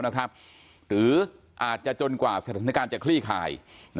หรืออาจจะจนกว่าสถานการณ์จะคลี่คลาย